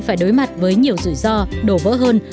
phải đối mặt với nhiều rủi ro đổ vỡ hơn